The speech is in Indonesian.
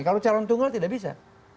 kalau calon tunggal tidak bisa